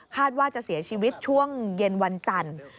ว่าจะเสียชีวิตช่วงเย็นวันจันทร์